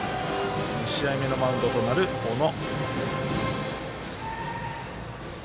２試合目のマウンドとなる小野。